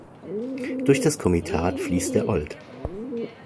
Durch das Komitat fließt der Olt.